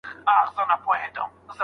د ټولني خدمت کول جرم نه دی.